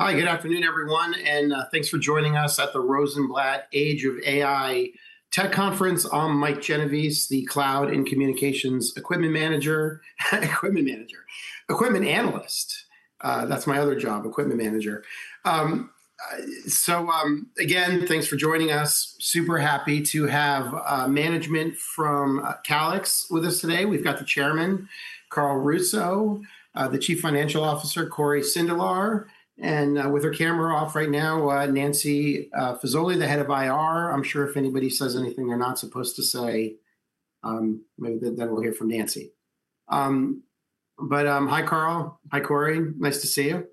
Hi, good afternoon, everyone, and thanks for joining us at the Rosenblatt Age of AI Tech Conference. I'm Mike Genovese, the Cloud and Communications Equipment Analyst. That's my other job, Equipment Manager. So again, thanks for joining us. Super happy to have management from Calix with us today. We've got the Chairman, Carl Russo, the Chief Financial Officer, Cory Sindelar, and with her camera off right now, Nancy Fazioli, the Head of IR. I'm sure if anybody says anything they're not supposed to say, maybe then we'll hear from Nancy. But hi, Carl. Hi, Cory. Nice to see you.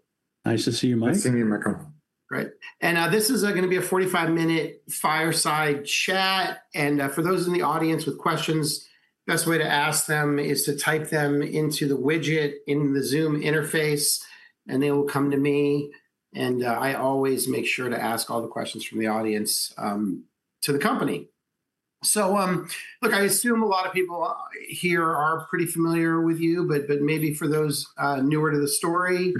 Nice to see you, Mike. Nice to see you, Michael. Great. This is going to be a 45-minute fireside chat. For those in the audience with questions, the best way to ask them is to type them into the widget in the Zoom interface, and they will come to me. I always make sure to ask all the questions from the audience to the company. I assume a lot of people here are pretty familiar with you, but maybe for those newer to the story,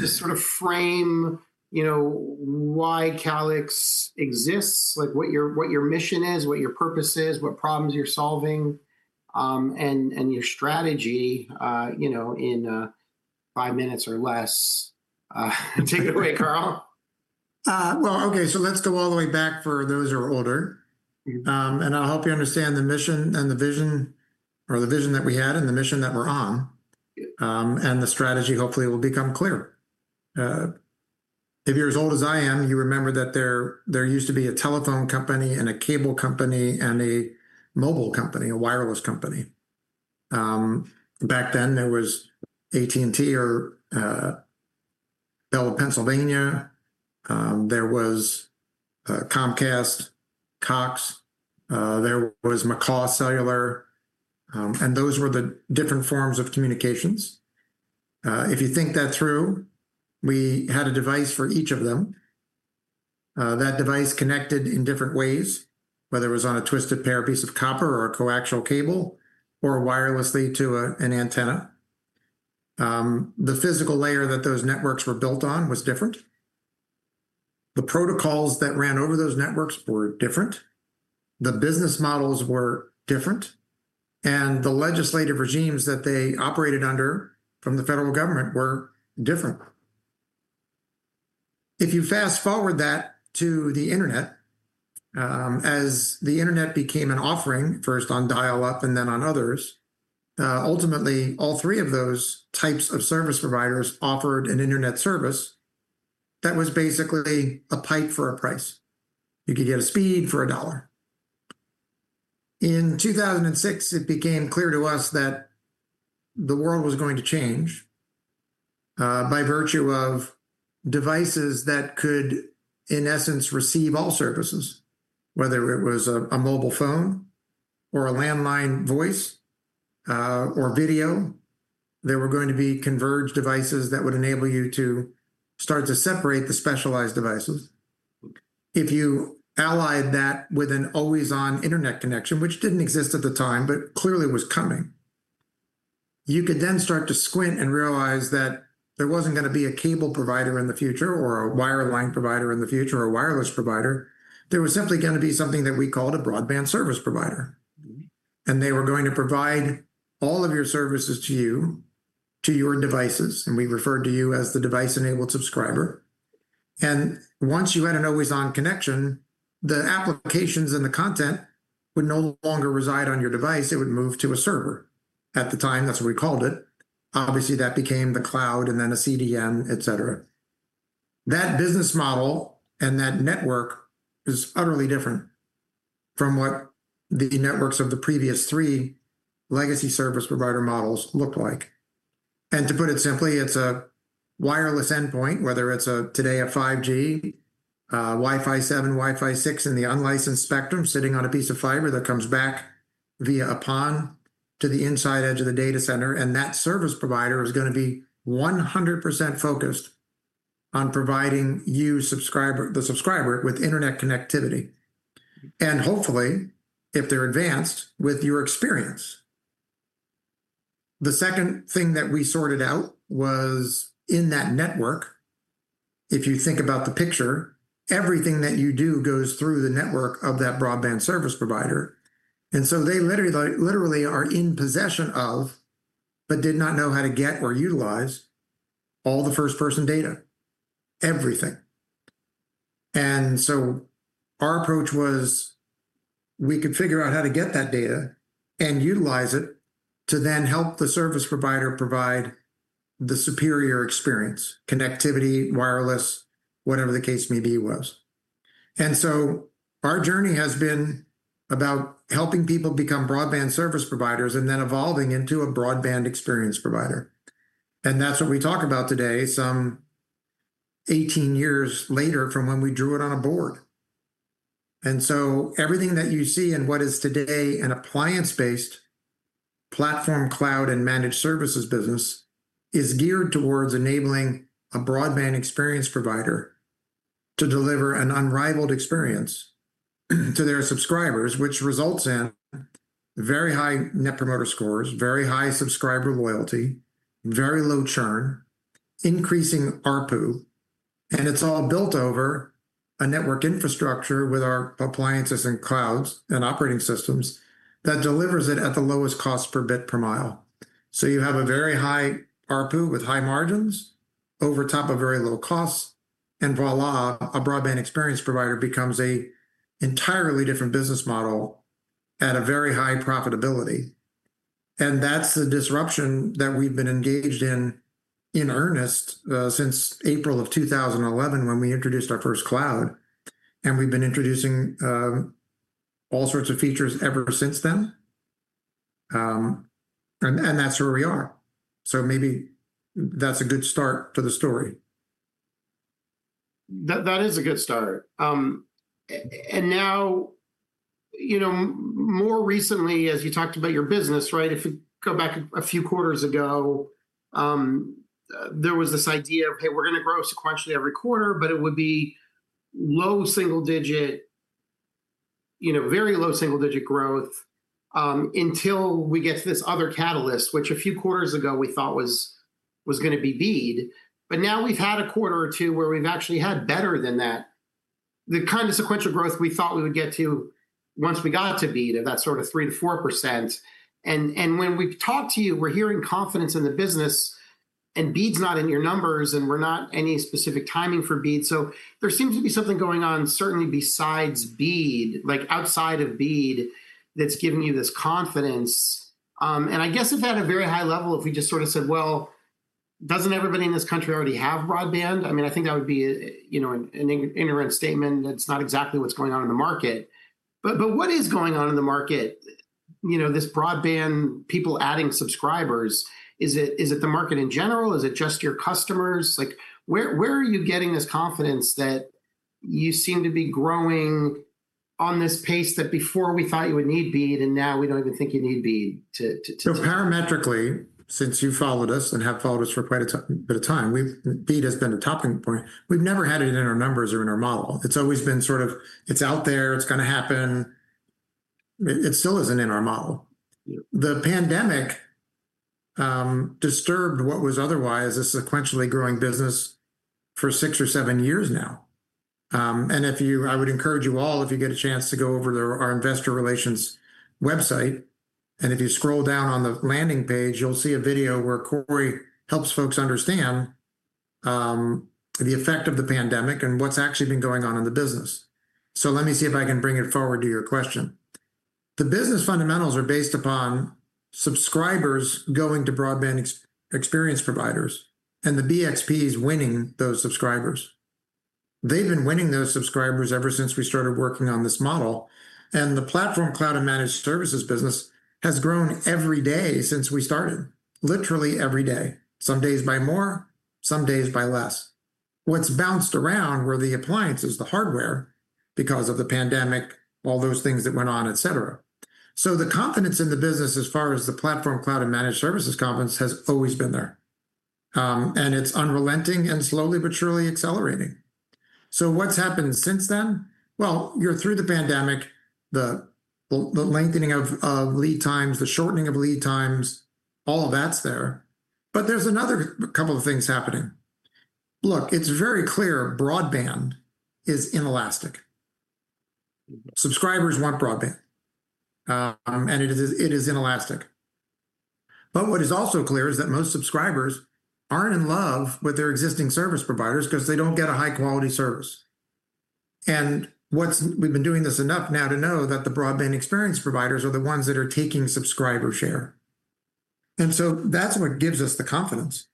just sort of frame why Calix exists, like what your mission is, what your purpose is, what problems you're solving, and your strategy in five minutes or less. Take it away, Carl. OK, let's go all the way back for those who are older. I hope you understand the mission and the vision, or the vision that we had and the mission that we're on. The strategy hopefully will become clear. If you're as old as I am, you remember that there used to be a telephone company and a cable company and a mobile company, a wireless company. Back then, there was AT&T or Bell Telephone Company of Pennsylvania. There was Comcast, Cox. There was McCaw Cellular. Those were the different forms of communications. If you think that through, we had a device for each of them. That device connected in different ways, whether it was on a twisted pair of pieces of copper or a coaxial cable or wirelessly to an antenna. The physical layer that those networks were built on was different. The protocols that ran over those networks were different. The business models were different. The legislative regimes that they operated under from the federal government were different. If you fast forward that to the internet, as the internet became an offering first on dial-up and then on others, ultimately, all three of those types of service providers offered an internet service that was basically a pipe for a price. You could get a speed for a dollar. In 2006, it became clear to us that the world was going to change by virtue of devices that could, in essence, receive all services, whether it was a mobile phone or a landline voice or video. There were going to be converged devices that would enable you to start to separate the specialized devices. If you allied that with an always-on internet connection, which did not exist at the time, but clearly was coming, you could then start to squint and realize that there was not going to be a cable provider in the future or a wireline provider in the future or a wireless provider. There was simply going to be something that we called a broadband service provider. They were going to provide all of your services to you, to your devices. We referred to you as the device-enabled subscriber. Once you had an always-on connection, the applications and the content would no longer reside on your device. It would move to a server. At the time, that is what we called it. Obviously, that became the cloud and then a CDN, et cetera. That business model and that network is utterly different from what the networks of the previous three legacy service provider models looked like. To put it simply, it's a wireless endpoint, whether it's today a 5G, Wi-Fi 7, Wi-Fi 6 in the unlicensed spectrum sitting on a piece of fiber that comes back via a PON to the inside edge of the data center. That service provider is going to be 100% focused on providing you, the subscriber, with internet connectivity. Hopefully, if they're advanced, with your experience. The second thing that we sorted out was in that network, if you think about the picture, everything that you do goes through the network of that broadband service provider. They literally are in possession of, but did not know how to get or utilize all the first-person data, everything. Our approach was we could figure out how to get that data and utilize it to then help the service provider provide the superior experience, connectivity, wireless, whatever the case may be was. Our journey has been about helping people become broadband service providers and then evolving into a broadband experience provider. That is what we talk about today, some 18 years later from when we drew it on a board. Everything that you see in what is today an appliance-based platform cloud and managed services business is geared towards enabling a broadband experience provider to deliver an unrivaled experience to their subscribers, which results in very high net promoter scores, very high subscriber loyalty, very low churn, increasing ARPU. It is all built over a network infrastructure with our appliances and clouds and operating systems that delivers it at the lowest cost per bit per mile. You have a very high ARPU with high margins over top of very low costs. Voila, a broadband experience provider becomes an entirely different business model at a very high profitability. That is the disruption that we have been engaged in in earnest since April of 2011 when we introduced our first cloud. We have been introducing all sorts of features ever since then. That is where we are. Maybe that is a good start to the story. That is a good start. Now, you know, more recently, as you talked about your business, right, if you go back a few quarters ago, there was this idea of, hey, we're going to grow sequentially every quarter, but it would be low single-digit, you know, very low single-digit growth until we get to this other catalyst, which a few quarters ago we thought was going to be BEAD. Now we have had a quarter or two where we have actually had better than that, the kind of sequential growth we thought we would get to once we got to BEAD of that sort of 3% to 4%. When we talk to you, we are hearing confidence in the business. BEAD is not in your numbers. We are not any specific timing for BEAD. There seems to be something going on certainly besides BEAD, like outside of BEAD, that's giving you this confidence. I guess if at a very high level, if we just sort of said, doesn't everybody in this country already have broadband? I mean, I think that would be an ignorant statement. That's not exactly what's going on in the market. What is going on in the market? You know, this broadband, people adding subscribers, is it the market in general? Is it just your customers? Where are you getting this confidence that you seem to be growing on this pace that before we thought you would need BEAD and now we don't even think you need BEAD to. Parametrically, since you followed us and have followed us for quite a bit of time, BEAD has been a topic point. We've never had it in our numbers or in our model. It's always been sort of, it's out there. It's going to happen. It still isn't in our model. The pandemic disturbed what was otherwise a sequentially growing business for six or seven years now. If you, I would encourage you all, if you get a chance to go over to our investor relations website, and if you scroll down on the landing page, you'll see a video where Cory helps folks understand the effect of the pandemic and what's actually been going on in the business. Let me see if I can bring it forward to your question. The business fundamentals are based upon subscribers going to broadband experience providers and the BXPs winning those subscribers. They've been winning those subscribers ever since we started working on this model. And the platform cloud and managed services business has grown every day since we started, literally every day, some days by more, some days by less. What's bounced around were the appliances, the hardware because of the pandemic, all those things that went on, et cetera. So the confidence in the business as far as the platform cloud and managed services conference has always been there. And it's unrelenting and slowly but surely accelerating. What's happened since then? You're through the pandemic, the lengthening of lead times, the shortening of lead times, all of that's there. There's another couple of things happening. Look, it's very clear broadband is inelastic. Subscribers want broadband. It is inelastic. What is also clear is that most subscribers are not in love with their existing service providers because they do not get a high-quality service. We have been doing this enough now to know that the broadband experience providers are the ones that are taking subscriber share. That is what gives us the confidence,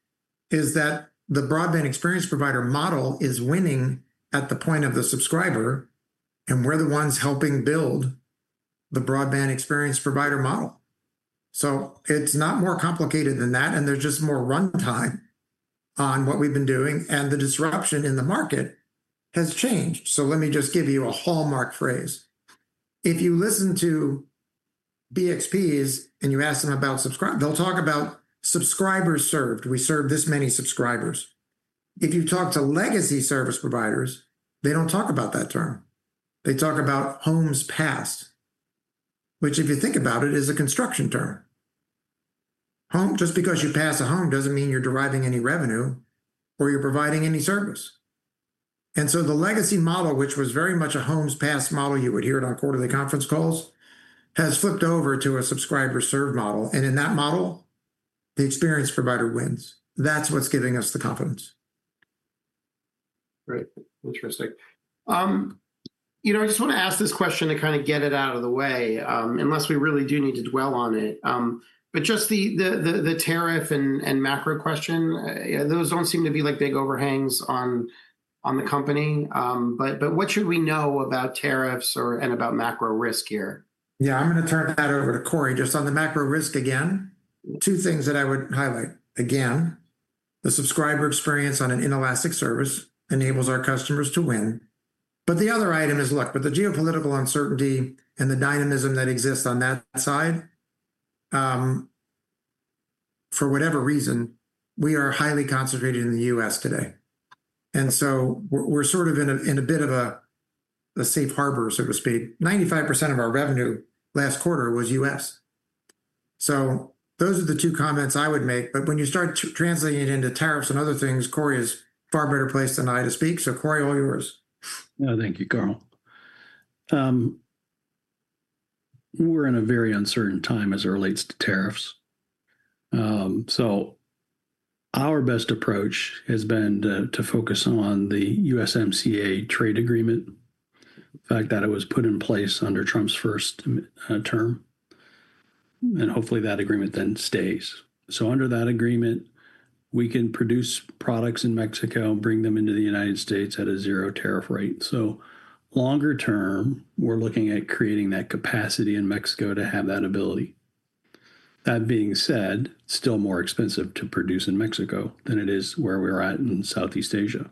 that the broadband experience provider model is winning at the point of the subscriber. We are the ones helping build the broadband experience provider model. It is not more complicated than that. There is just more runtime on what we have been doing. The disruption in the market has changed. Let me just give you a hallmark phrase. If you listen to BXPs and you ask them about subscribers, they will talk about subscribers served. We serve this many subscribers. If you talk to legacy service providers, they do not talk about that term. They talk about homes passed, which if you think about it, is a construction term. Just because you pass a home does not mean you are deriving any revenue or you are providing any service. The legacy model, which was very much a homes passed model you would hear at our quarterly conference calls, has flipped over to a subscriber served model. In that model, the experience provider wins. That is what is giving us the confidence. Great. Interesting. You know, I just want to ask this question to kind of get it out of the way, unless we really do need to dwell on it. Just the tariff and macro question, those do not seem to be like big overhangs on the company. What should we know about tariffs and about macro risk here? Yeah, I'm going to turn that over to Cory just on the macro risk again. Two things that I would highlight again. The subscriber experience on an inelastic service enables our customers to win. The other item is, look, with the geopolitical uncertainty and the dynamism that exists on that side, for whatever reason, we are highly concentrated in the U.S. today. We are sort of in a bit of a safe harbor, so to speak. 95% of our revenue last quarter was U.S. Those are the two comments I would make. When you start translating it into tariffs and other things, Cory is far better placed than I to speak. Cory, all yours. No, thank you, Carl. We're in a very uncertain time as it relates to tariffs. Our best approach has been to focus on the USMCA trade agreement, the fact that it was put in place under Trump's first term. Hopefully that agreement then stays. Under that agreement, we can produce products in Mexico and bring them into the United States at a zero tariff rate. Longer term, we're looking at creating that capacity in Mexico to have that ability. That being said, still more expensive to produce in Mexico than it is where we are at in Southeast Asia.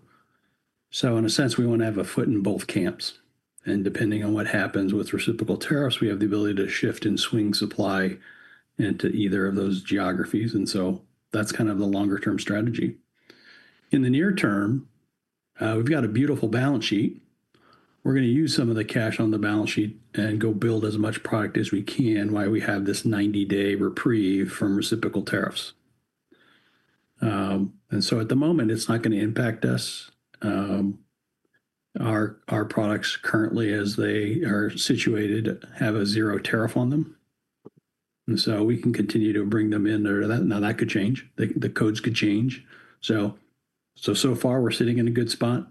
In a sense, we want to have a foot in both camps. Depending on what happens with reciprocal tariffs, we have the ability to shift and swing supply into either of those geographies. That's kind of the longer-term strategy. In the near term, we've got a beautiful balance sheet. We're going to use some of the cash on the balance sheet and go build as much product as we can while we have this 90-day reprieve from reciprocal tariffs. At the moment, it's not going to impact us. Our products currently, as they are situated, have a zero tariff on them. We can continue to bring them in there. That could change. The codes could change. So far, we're sitting in a good spot.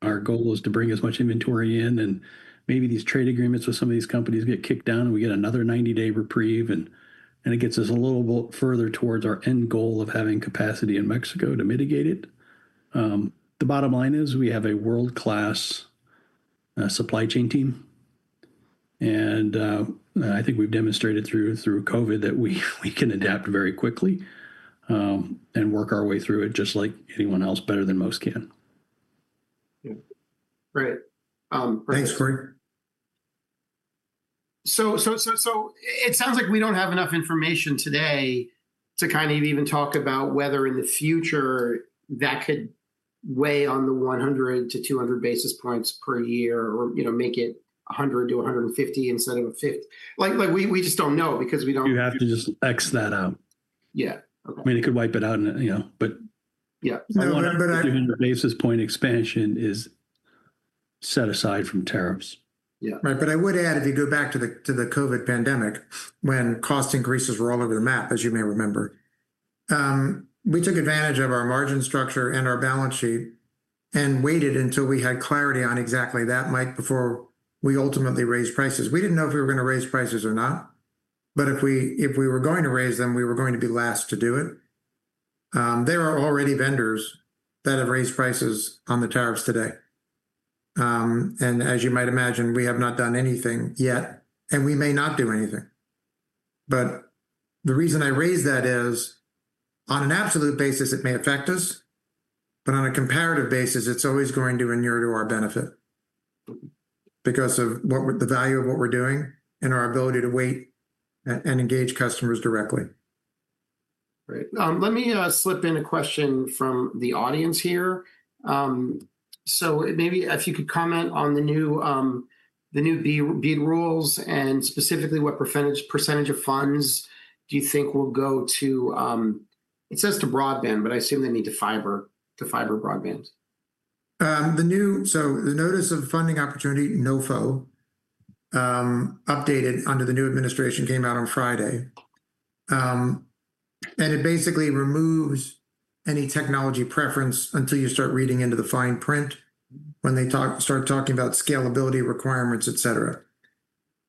Our goal is to bring as much inventory in. Maybe these trade agreements with some of these companies get kicked down and we get another 90-day reprieve. It gets us a little further towards our end goal of having capacity in Mexico to mitigate it. The bottom line is we have a world-class supply chain team. I think we've demonstrated through COVID that we can adapt very quickly and work our way through it just like anyone else, better than most can. Great. Thanks, Cory. It sounds like we do not have enough information today to kind of even talk about whether in the future that could weigh on the 100-200 basis points per year or make it 100-150 instead of a fifth. We just do not know because we do not. You have to just X that out. Yeah. I mean, it could wipe it out and, you know, but. Yeah. I remember that 200 basis point expansion is set aside from tariffs. Yeah. Right. I would add, if you go back to the COVID pandemic, when cost increases were all over the map, as you may remember, we took advantage of our margin structure and our balance sheet and waited until we had clarity on exactly that, Mike, before we ultimately raised prices. We did not know if we were going to raise prices or not. If we were going to raise them, we were going to be last to do it. There are already vendors that have raised prices on the tariffs today. As you might imagine, we have not done anything yet. We may not do anything. The reason I raise that is on an absolute basis, it may affect us. On a comparative basis, it's always going to inure to our benefit because of the value of what we're doing and our ability to wait and engage customers directly. Great. Let me slip in a question from the audience here. Maybe if you could comment on the new BEAD rules and specifically what % of funds do you think will go to, it says to broadband, but I assume they mean to fiber broadband. The new, so the Notice of Funding Opportunity (NOFO) updated under the new administration came out on Friday. It basically removes any technology preference until you start reading into the fine print when they start talking about scalability requirements, et cetera.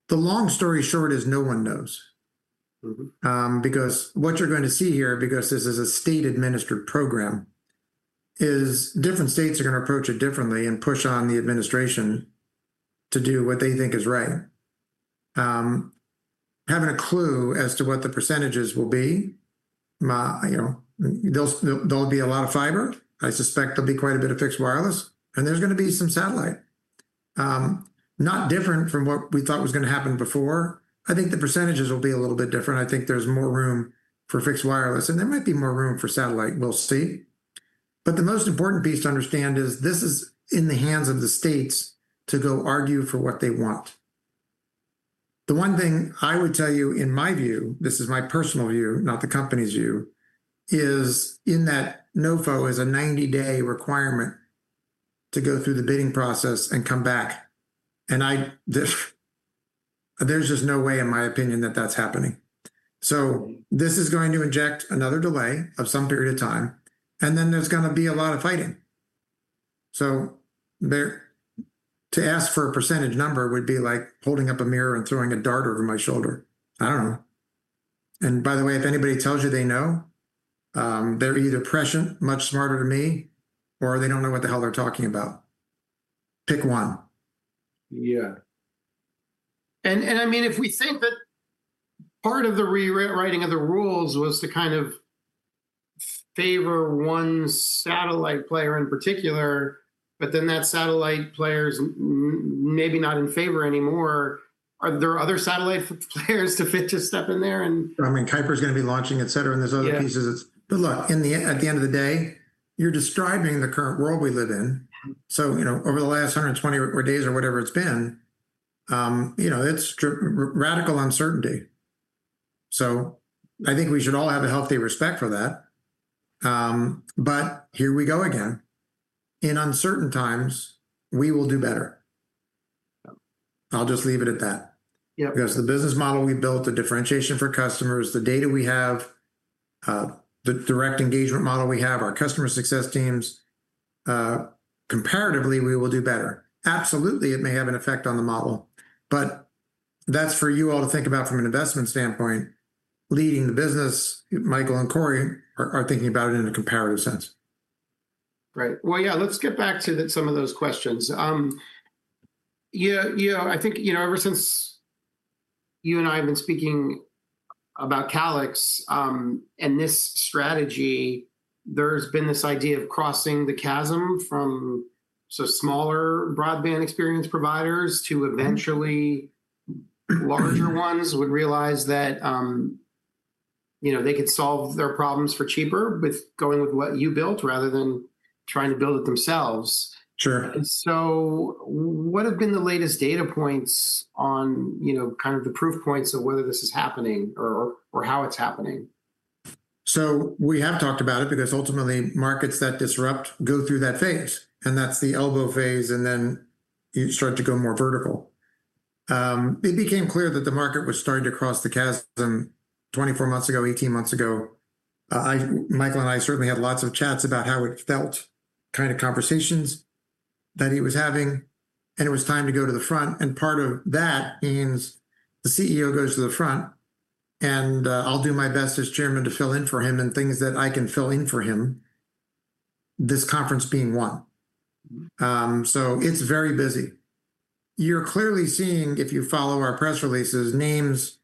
The long story short is no one knows. Because what you're going to see here, because this is a state-administered program, is different states are going to approach it differently and push on the administration to do what they think is right. Having a clue as to what the percentages will be, you know, there'll be a lot of fiber. I suspect there'll be quite a bit of fixed wireless. And there's going to be some satellite. Not different from what we thought was going to happen before. I think the percentages will be a little bit different. I think there's more room for fixed wireless. There might be more room for satellite. We'll see. The most important piece to understand is this is in the hands of the states to go argue for what they want. The one thing I would tell you, in my view, this is my personal view, not the company's view, is in that NOFO is a 90-day requirement to go through the bidding process and come back. There's just no way, in my opinion, that that's happening. This is going to inject another delay of some period of time. There's going to be a lot of fighting. To ask for a percentage number would be like holding up a mirror and throwing a dart over my shoulder. I don't know. If anybody tells you they know, they're either prescient, much smarter than me, or they don't know what the hell they're talking about. Pick one. Yeah. I mean, if we think that part of the rewriting of the rules was to kind of favor one satellite player in particular, but then that satellite player is maybe not in favor anymore, are there other satellite players to just step in there? I mean, Kuiper's going to be launching, et cetera, and there's other pieces. Look, at the end of the day, you're describing the current world we live in. Over the last 120 days or whatever it's been, you know, it's radical uncertainty. I think we should all have a healthy respect for that. Here we go again. In uncertain times, we will do better. I'll just leave it at that. Because the business model we built, the differentiation for customers, the data we have, the direct engagement model we have, our customer success teams, comparatively, we will do better. Absolutely, it may have an effect on the model. That's for you all to think about from an investment standpoint. Leading the business, Michael and Cory are thinking about it in a comparative sense. Right. Yeah, let's get back to some of those questions. Yeah, I think, you know, ever since you and I have been speaking about Calix and this strategy, there's been this idea of crossing the chasm from smaller broadband experience providers to eventually larger ones would realize that they could solve their problems for cheaper with going with what you built rather than trying to build it themselves. Sure. What have been the latest data points on kind of the proof points of whether this is happening or how it's happening? We have talked about it because ultimately, markets that disrupt go through that phase. That is the elbow phase. Then you start to go more vertical. It became clear that the market was starting to cross the chasm 24 months ago, 18 months ago. Michael and I certainly had lots of chats about how it felt, kind of conversations that he was having. It was time to go to the front. Part of that means the CEO goes to the front. I will do my best as Chairman to fill in for him and things that I can fill in for him, this conference being one. It is very busy. You are clearly seeing, if you follow our press releases, names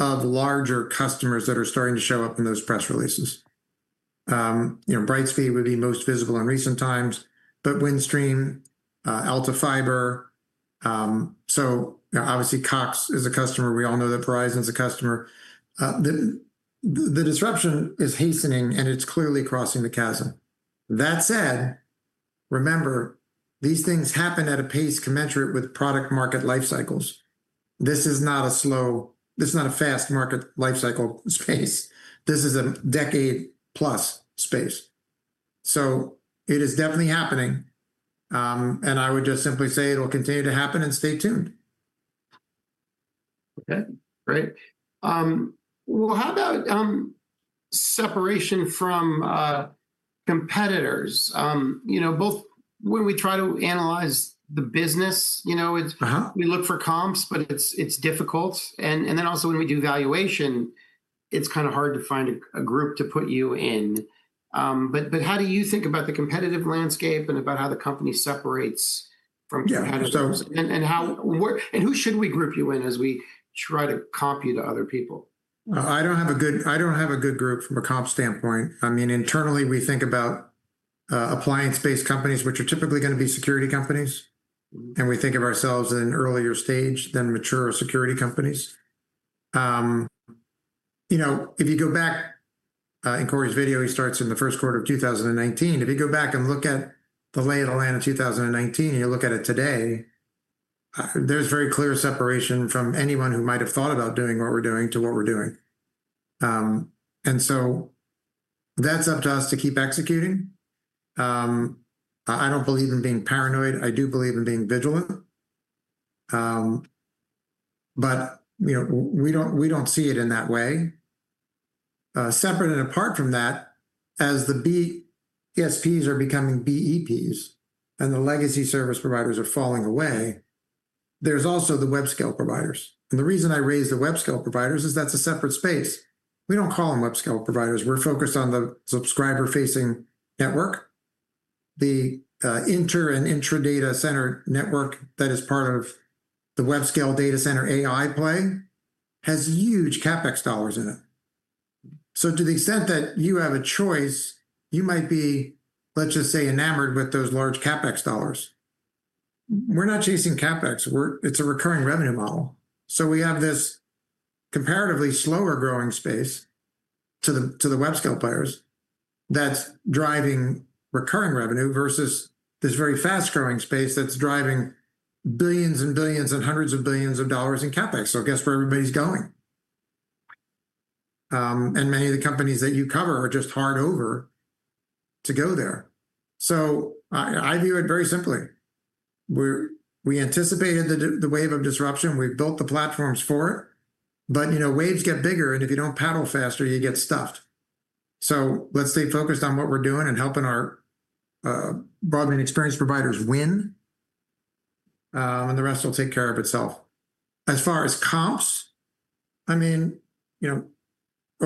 of larger customers that are starting to show up in those press releases. Brightspeed would be most visible in recent times, but Windstream, AltaFiber. Obviously, Cox is a customer. We all know that Verizon is a customer. The disruption is hastening, and it is clearly crossing the chasm. That said, remember, these things happen at a pace commensurate with product-market life cycles. This is not a slow, this is not a fast market life cycle space. This is a decade-plus space. It is definitely happening. I would just simply say it will continue to happen and stay tuned. Okay. Great. How about separation from competitors? You know, both when we try to analyze the business, you know, we look for comps, but it is difficult. Then also when we do valuation, it is kind of hard to find a group to put you in. How do you think about the competitive landscape and about how the company separates from competitors? Who should we group you in as we try to comp you to other people? I don't have a good, I don't have a good group from a comp standpoint. I mean, internally, we think about appliance-based companies, which are typically going to be security companies. And we think of ourselves in an earlier stage than mature security companies. You know, if you go back, in Cory's video, he starts in the first quarter of 2019. If you go back and look at the lay of the land of 2019, you look at it today, there's very clear separation from anyone who might have thought about doing what we're doing to what we're doing. And so that's up to us to keep executing. I don't believe in being paranoid. I do believe in being vigilant. But we don't see it in that way. Separate and apart from that, as the BSPs are becoming BEPs and the legacy service providers are falling away, there is also the web scale providers. The reason I raised the web scale providers is that is a separate space. We do not call them web scale providers. We are focused on the subscriber-facing network. The inter and intra data center network that is part of the web scale data center AI play has huge CapEx dollars in it. To the extent that you have a choice, you might be, let us just say, enamored with those large CapEx dollars. We are not chasing CapEx. It is a recurring revenue model. We have this comparatively slower growing space to the web scale players that is driving recurring revenue versus this very fast-growing space that is driving billions and billions and hundreds of billions of dollars in CapEx. Guess where everybody is going? Many of the companies that you cover are just hard over to go there. I view it very simply. We anticipated the wave of disruption. We have built the platforms for it. Waves get bigger. If you do not paddle faster, you get stuffed. Let us stay focused on what we are doing and helping our broadband experience providers win. The rest will take care of itself. As far as comps, over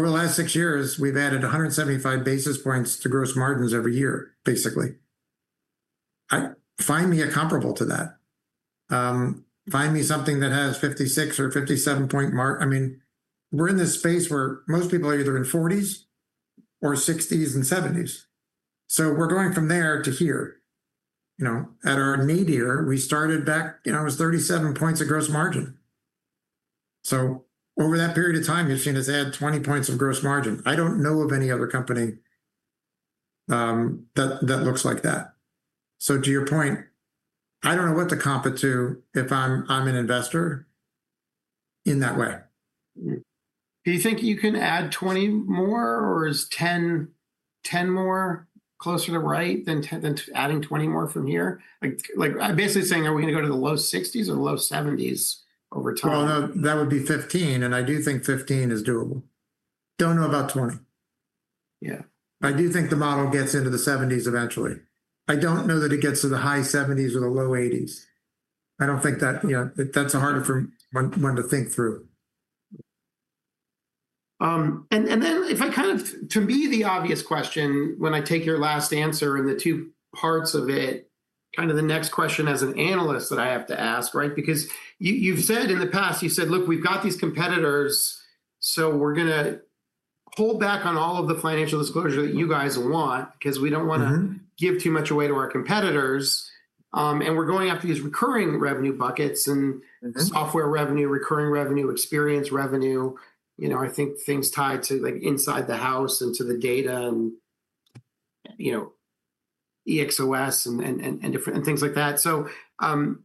the last 6 years, we have added 175 basis points to gross margins every year, basically. Find me a comparable to that. Find me something that has 56 or 57 point mark. We are in this space where most people are either in 40s or 60s and 70s. We are going from there to here. At our nadir, we started back, it was 37 points of gross margin. Over that period of time, you've seen us add 20 percentage points of gross margin. I don't know of any other company that looks like that. To your point, I don't know what to comp it to if I'm an investor in that way. Do you think you can add 20 more or is 10 more closer to right than adding 20 more from here? I'm basically saying, are we going to go to the low 60s or low 70s over time? That would be 15. And I do think 15 is doable. Don't know about 20. Yeah. I do think the model gets into the 70s eventually. I don't know that it gets to the high 70s or the low 80s. I don't think that that's harder for one to think through. If I kind of, to me, the obvious question when I take your last answer and the two parts of it, kind of the next question as an analyst that I have to ask, right? Because you've said in the past, you said, look, we've got these competitors. We're going to hold back on all of the financial disclosure that you guys want because we don't want to give too much away to our competitors. We're going after these recurring revenue buckets and software revenue, recurring revenue, experience revenue. I think things tied to inside the house and to the data and EXOS and things like that.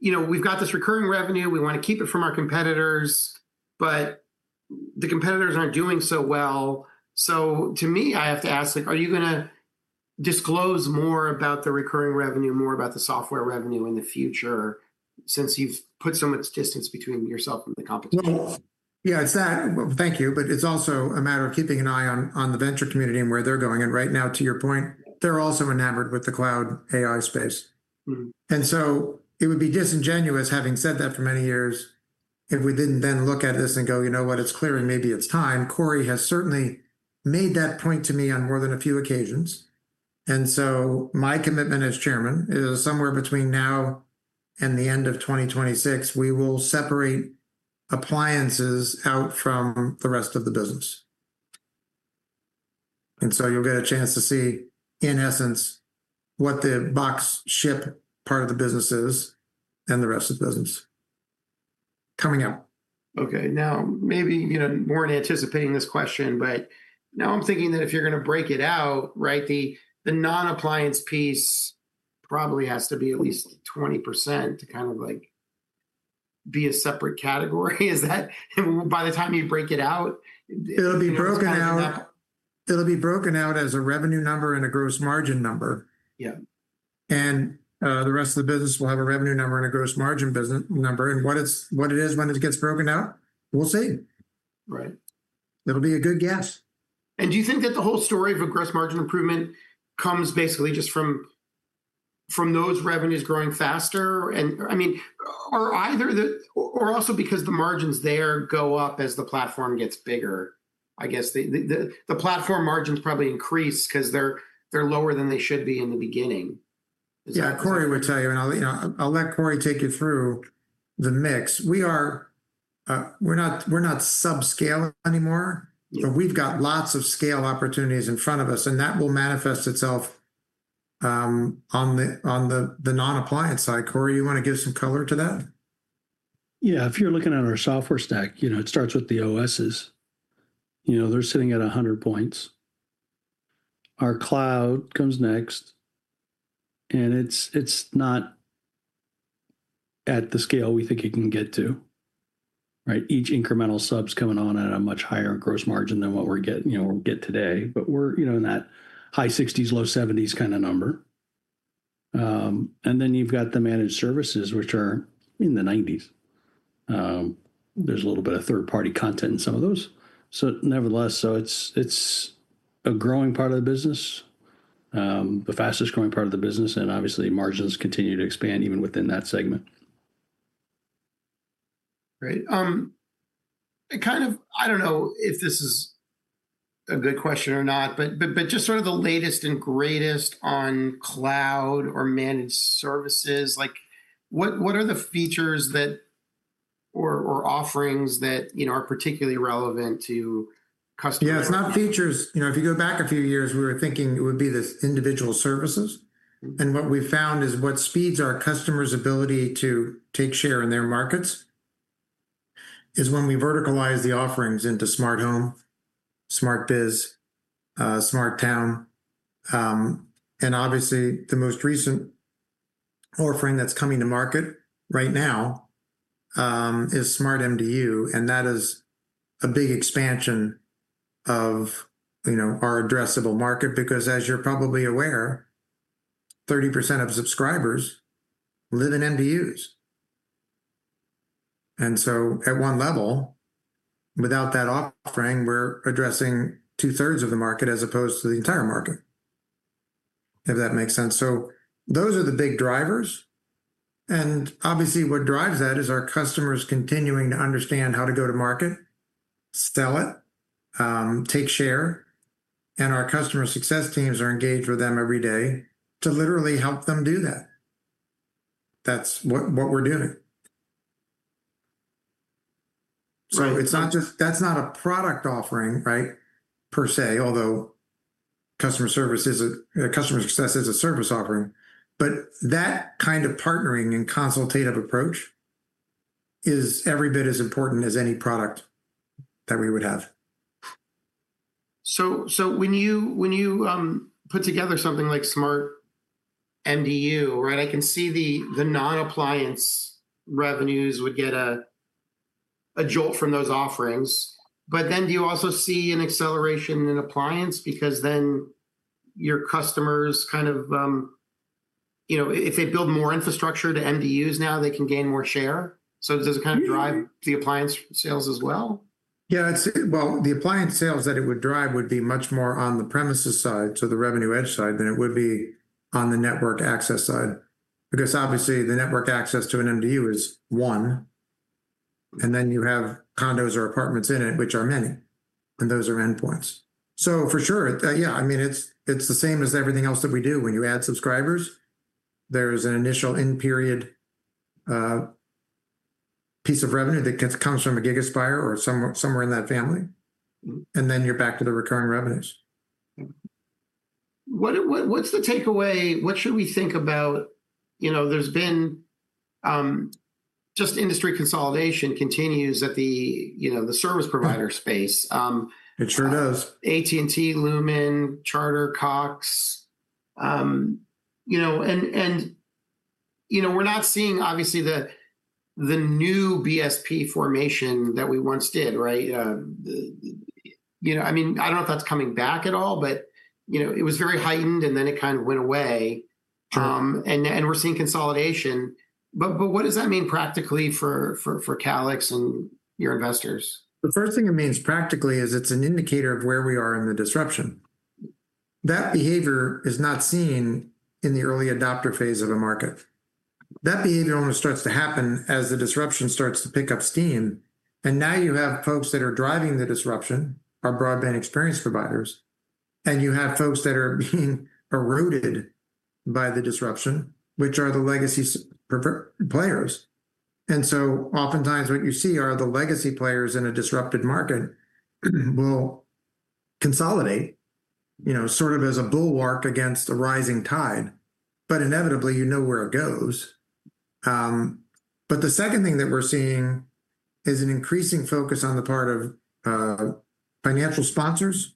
We've got this recurring revenue. We want to keep it from our competitors. The competitors aren't doing so well. To me, I have to ask, are you going to disclose more about the recurring revenue, more about the software revenue in the future since you've put so much distance between yourself and the competition? Yeah, it's that. Thank you. It is also a matter of keeping an eye on the venture community and where they're going. Right now, to your point, they're also enamored with the cloud AI space. It would be disingenuous having said that for many years if we did not then look at this and go, you know what, it's clear and maybe it's time. Cory has certainly made that point to me on more than a few occasions. My commitment as Chairman is somewhere between now and the end of 2026, we will separate appliances out from the rest of the business. You will get a chance to see, in essence, what the box ship part of the business is and the rest of the business coming up. Okay. Now, maybe you know more in anticipating this question, but now I'm thinking that if you're going to break it out, right, the non-appliance piece probably has to be at least 20% to kind of like be a separate category. Is that by the time you break it out? It'll be broken out. It'll be broken out as a revenue number and a gross margin number. Yeah. The rest of the business will have a revenue number and a gross margin number. What it is when it gets broken out, we'll see. Right. It'll be a good guess. Do you think that the whole story of a gross margin improvement comes basically just from those revenues growing faster? I mean, are either the, or also because the margins there go up as the platform gets bigger? I guess the platform margins probably increase because they're lower than they should be in the beginning. Yeah, Cory would tell you. I'll let Cory take you through the mix. We're not subscale anymore. We have lots of scale opportunities in front of us. That will manifest itself on the non-appliance side. Cory, you want to give some color to that? Yeah. If you're looking at our software stack, it starts with the OSs. They're sitting at 100 points. Our cloud comes next. It's not at the scale we think it can get to. Each incremental sub's coming on at a much higher gross margin than what we'll get today. We're in that high 60s, low 70s kind of number. Then you've got the managed services, which are in the 90s. There's a little bit of third-party content in some of those. Nevertheless, it's a growing part of the business, the fastest growing part of the business. Obviously, margins continue to expand even within that segment. Great. Kind of, I don't know if this is a good question or not, but just sort of the latest and greatest on cloud or managed services, what are the features or offerings that are particularly relevant to customers? Yeah, it's not features. If you go back a few years, we were thinking it would be this individual services. And what we found is what speeds our customers' ability to take share in their markets is when we verticalize the offerings into smart home, smart biz, smart town. Obviously, the most recent offering that's coming to market right now is Smart MDU. That is a big expansion of our addressable market because, as you're probably aware, 30% of subscribers live in MDUs. At one level, without that offering, we're addressing two-thirds of the market as opposed to the entire market, if that makes sense. Those are the big drivers. Obviously, what drives that is our customers continuing to understand how to go to market, sell it, take share. Our customer success teams are engaged with them every day to literally help them do that. That is what we are doing. It is not just, that is not a product offering, right, per se, although customer service is a customer success is a service offering. That kind of partnering and consultative approach is every bit as important as any product that we would have. When you put together something like Smart MDU, right, I can see the non-appliance revenues would get a jolt from those offerings. But then do you also see an acceleration in appliance because then your customers kind of, if they build more infrastructure to MDUs now, they can gain more share. So does it kind of drive the appliance sales as well? Yeah. The appliance sales that it would drive would be much more on the premises side, so the revenue edge side, than it would be on the network access side. Because obviously, the network access to an MDU is one. And then you have condos or apartments in it, which are many. Those are endpoints. For sure, yeah. I mean, it's the same as everything else that we do. When you add subscribers, there's an initial end period piece of revenue that comes from a GigaSpire or somewhere in that family. Then you're back to the recurring revenues. What's the takeaway? What should we think about? There's been just industry consolidation continues at the service provider space. It sure does. AT&T, Lumen, Charter, Cox. We're not seeing, obviously, the new BSP formation that we once did, right? I mean, I don't know if that's coming back at all, but it was very heightened and then it kind of went away. We're seeing consolidation. What does that mean practically for Calix and your investors? The first thing it means practically is it's an indicator of where we are in the disruption. That behavior is not seen in the early adopter phase of a market. That behavior only starts to happen as the disruption starts to pick up steam. Now you have folks that are driving the disruption, our broadband experience providers. You have folks that are being eroded by the disruption, which are the legacy players. Often times what you see are the legacy players in a disrupted market will consolidate sort of as a bulwark against a rising tide. Inevitably, you know where it goes. The second thing that we're seeing is an increasing focus on the part of financial sponsors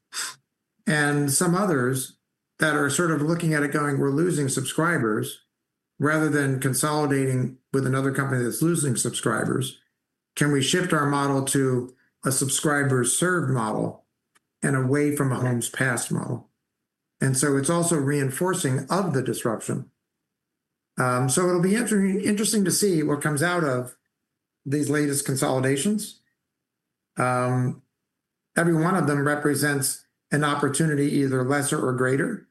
and some others that are sort of looking at it going, we're losing subscribers rather than consolidating with another company that's losing subscribers. Can we shift our model to a subscriber-served model and away from a home's past model? It is also reinforcing of the disruption. It will be interesting to see what comes out of these latest consolidations. Every one of them represents an opportunity either lesser or greater.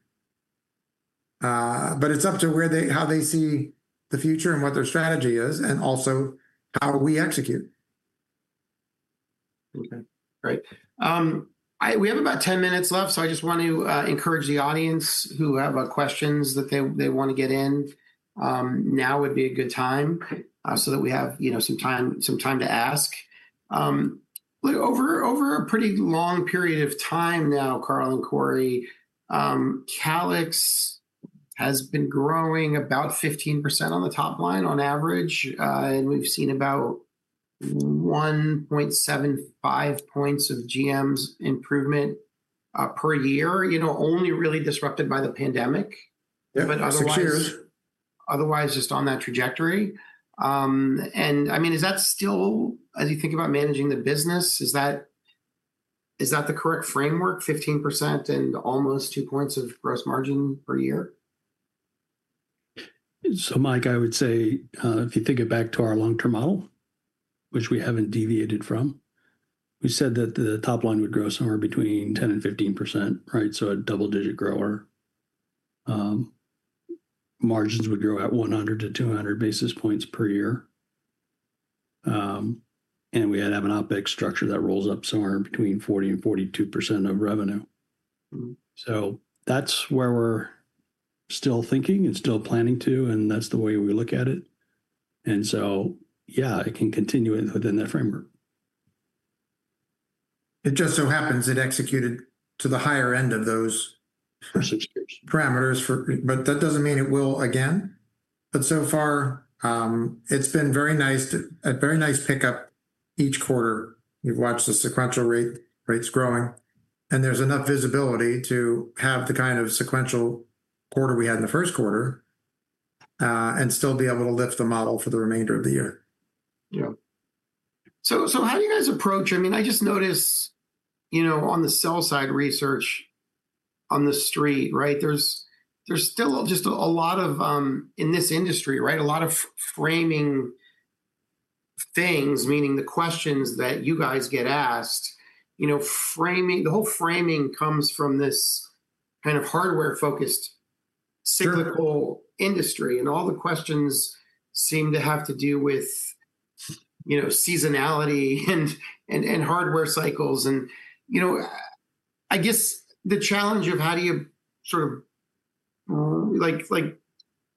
It is up to how they see the future and what their strategy is and also how we execute. Okay. Great. We have about 10 minutes left. I just want to encourage the audience who have questions that they want to get in, now would be a good time so that we have some time to ask. Over a pretty long period of time now, Carl and Cory, Calix has been growing about 15% on the top line on average. We have seen about 1.75 points of GM's improvement per year, only really disrupted by the pandemic. Otherwise, just on that trajectory. I mean, is that still, as you think about managing the business, is that the correct framework, 15% and almost two percentage points of gross margin per year? Mike, I would say if you think it back to our long-term model, which we haven't deviated from, we said that the top line would grow somewhere between 10-15%, right? So a double-digit grower. Margins would grow at 100 to 200 basis points per year. And we had an optic structure that rolls up somewhere between 40-42% of revenue. That's where we're still thinking and still planning to. That's the way we look at it. Yeah, it can continue within that framework. It just so happens it executed to the higher end of those parameters. That does not mean it will again. So far, it has been very nice, a very nice pickup each quarter. You have watched the sequential rates growing. There is enough visibility to have the kind of sequential quarter we had in the first quarter and still be able to lift the model for the remainder of the year. Yeah. How do you guys approach? I mean, I just noticed on the sell-side research on the street, right? There is still just a lot of, in this industry, a lot of framing things, meaning the questions that you guys get asked. The whole framing comes from this kind of hardware-focused cyclical industry. All the questions seem to have to do with seasonality and hardware cycles. I guess the challenge of how do you sort of,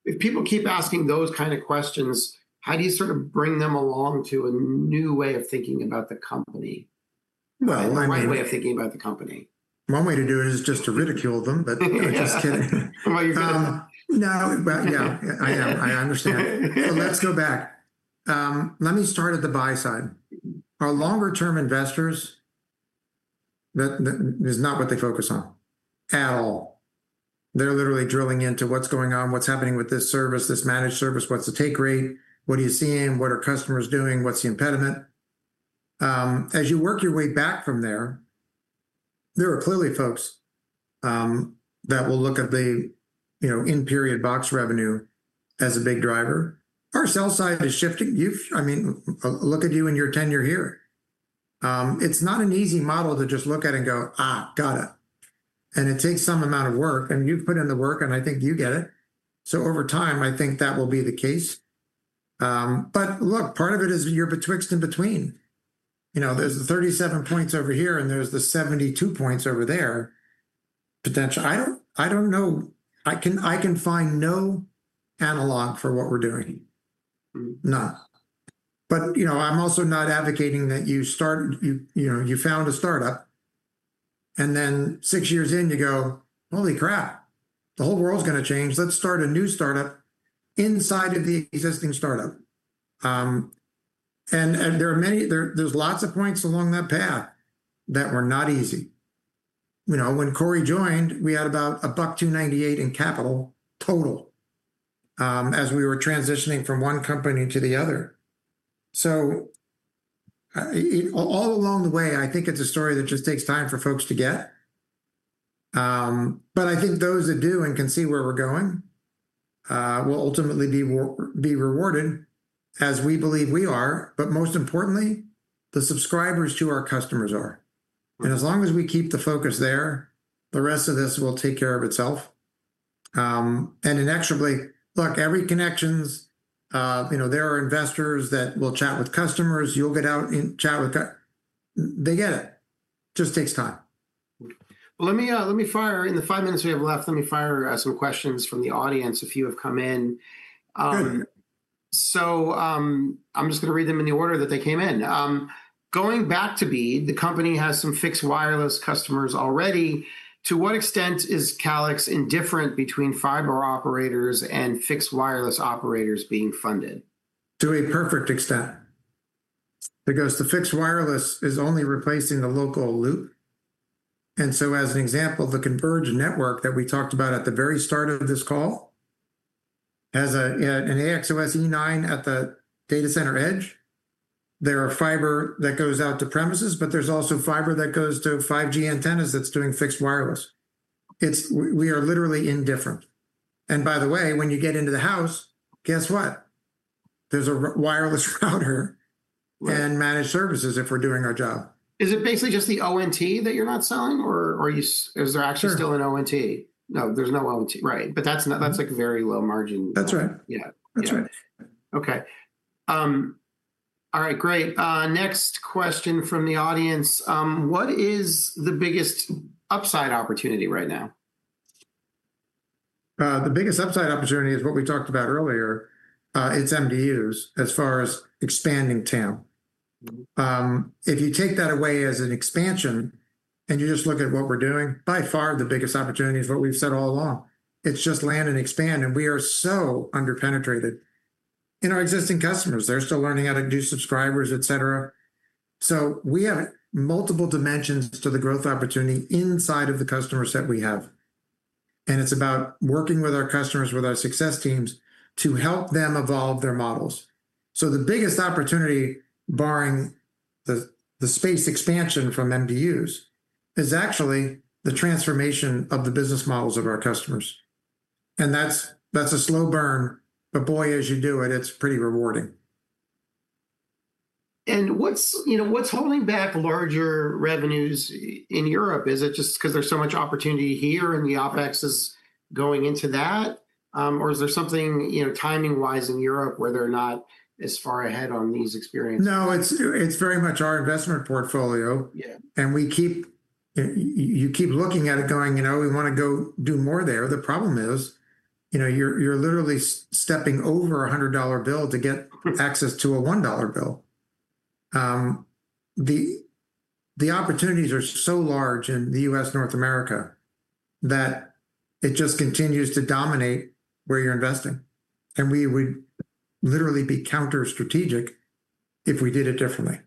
if people keep asking those kind of questions, how do you sort of bring them along to a new way of thinking about the company? One way of thinking about the company. One way to do it is just to ridicule them, but I just kidding. What, are you kidding? No, but yeah, I understand. Let's go back. Let me start at the buy side. Our longer-term investors, that is not what they focus on at all. They're literally drilling into what's going on, what's happening with this service, this managed service, what's the take rate, what are you seeing, what are customers doing, what's the impediment? As you work your way back from there, there are clearly folks that will look at the end-period box revenue as a big driver. Our sell-side is shifting. I mean, look at you and your tenure here. It's not an easy model to just look at and go, got it. It takes some amount of work. You've put in the work, and I think you get it. Over time, I think that will be the case. Part of it is you're betwixt and between. There's the 37 points over here, and there's the 72 points over there. Potential. I don't know. I can find no analog for what we're doing. None. I am also not advocating that you start, you found a startup, and then 6 years in, you go, "Holy crap. The whole world's going to change. Let's start a new startup inside of the existing startup." There are many, there's lots of points along that path that were not easy. When Cory joined, we had about $1.298 in capital total as we were transitioning from one company to the other. All along the way, I think it's a story that just takes time for folks to get. I think those that do and can see where we're going will ultimately be rewarded as we believe we are. Most importantly, the subscribers to our customers are. As long as we keep the focus there, the rest of this will take care of itself. Inexorably, look, every connection, there are investors that will chat with customers. You'll get out and chat with them. They get it. Just takes time. Let me fire, in the five minutes we have left, let me fire some questions from the audience if you have come in. I am just going to read them in the order that they came in. Going back to BEAD, the company has some fixed wireless customers already. To what extent is Calix indifferent between fiber operators and fixed wireless operators being funded? To a perfect extent. Because the fixed wireless is only replacing the local loop. As an example, the converged network that we talked about at the very start of this call has an AXOS E9 at the data center edge. There are fiber that goes out to premises, but there is also fiber that goes to 5G antennas that is doing fixed wireless. We are literally indifferent. By the way, when you get into the house, guess what? There is a wireless router and managed services if we are doing our job. Is it basically just the ONT that you're not selling? Or is there actually still an ONT? No, there's no ONT. Right. But that's like a very low margin. That's right. That's right. Okay. All right. Great. Next question from the audience. What is the biggest upside opportunity right now? The biggest upside opportunity is what we talked about earlier. It's MDUs as far as expanding TAM. If you take that away as an expansion and you just look at what we're doing, by far the biggest opportunity is what we've said all along. It's just land and expand. We are so underpenetrated in our existing customers. They're still learning how to do subscribers, etc. We have multiple dimensions to the growth opportunity inside of the customers that we have. It's about working with our customers, with our success teams to help them evolve their models. The biggest opportunity, barring the space expansion from MDUs, is actually the transformation of the business models of our customers. That's a slow burn. Boy, as you do it, it's pretty rewarding. What is holding back larger revenues in Europe? Is it just because there is so much opportunity here and the OpEx is going into that? Is there something timing-wise in Europe where they are not as far ahead on these experiences? No, it's very much our investment portfolio. You keep looking at it going, "We want to go do more there." The problem is you're literally stepping over a $100 bill to get access to a $1 bill. The opportunities are so large in the U.S., North America that it just continues to dominate where you're investing. We would literally be counter-strategic if we did it differently.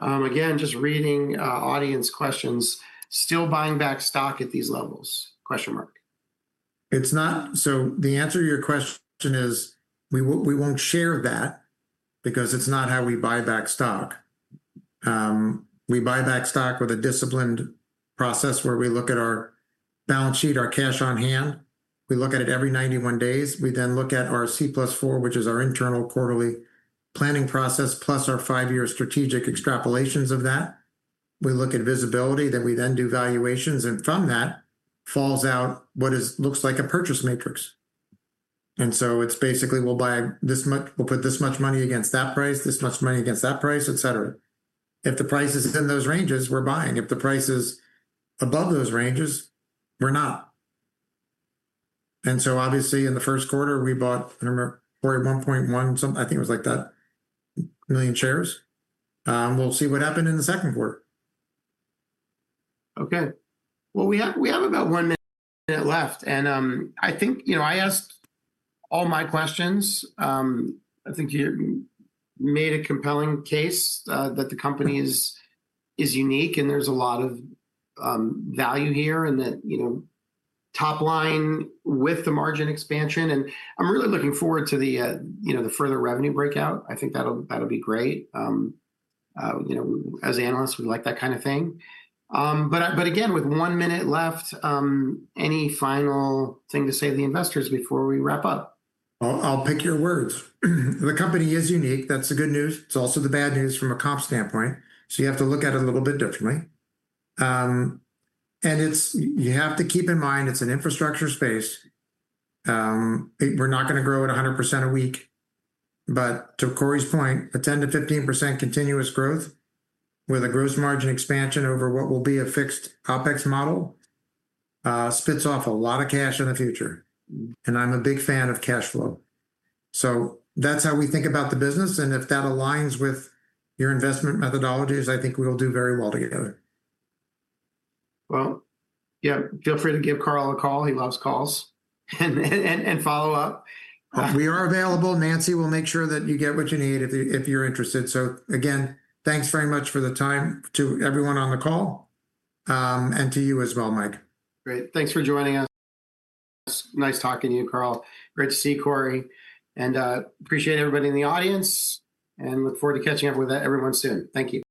Again, just reading audience questions. Still buying back stock at these levels? The answer to your question is we won't share that because it's not how we buy back stock. We buy back stock with a disciplined process where we look at our balance sheet, our cash on hand. We look at it every 91 days. We then look at our C plus 4, which is our internal quarterly planning process, plus our five-year strategic extrapolations of that. We look at visibility that we then do valuations. From that falls out what looks like a purchase matrix. It's basically we'll buy this much, we'll put this much money against that price, this much money against that price, etc. If the price is in those ranges, we're buying. If the price is above those ranges, we're not. Obviously in the first quarter, we bought, I remember, 1.1 something, I think it was like that, million shares. We'll see what happened in the second quarter. Okay. We have about one minute left. I think I asked all my questions. I think you made a compelling case that the company is unique and there is a lot of value here and that top line with the margin expansion. I am really looking forward to the further revenue breakout. I think that will be great. As analysts, we like that kind of thing. Again, with one minute left, any final thing to say to the investors before we wrap up? I'll pick your words. The company is unique. That's the good news. It's also the bad news from a comp standpoint. You have to look at it a little bit differently. You have to keep in mind it's an infrastructure space. We're not going to grow at 100% a week. To Cory's point, a 10-15% continuous growth with a gross margin expansion over what will be a fixed OpEx model spits off a lot of cash in the future. I'm a big fan of cash flow. That's how we think about the business. If that aligns with your investment methodologies, I think we'll do very well together. Yeah, feel free to give Carl a call. He loves calls and follow up. We are available. Nancy will make sure that you get what you need if you're interested. Again, thanks very much for the time to everyone on the call and to you as well, Mike. Great. Thanks for joining us. Nice talking to you, Carl. Great to see Cory. And appreciate everybody in the audience and look forward to catching up with everyone soon. Thank you.